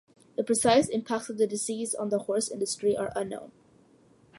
The precise impacts of the disease on the horse industry are unknown.